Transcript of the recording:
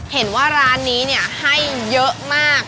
เห็นว่าร้านนี้ให้เยอะมาก